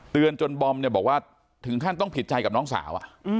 จนบอมเนี่ยบอกว่าถึงขั้นต้องผิดใจกับน้องสาว